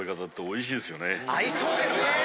合いそうですねぇ！